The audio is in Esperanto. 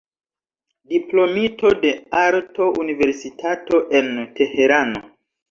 Diplomito de Arto-Universitato en Teherano.